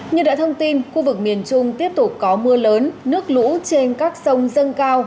như đã thông tin khu vực miền trung tiếp tục có mưa lớn nước lũ trên các sông dâng cao